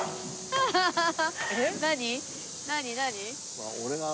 アハハハ。